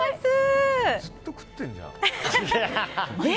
ずっと食ってんじゃん。